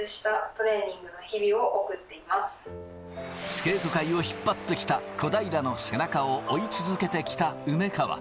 スケート界を引っ張ってきた小平の背中を追い続けてきた梅川。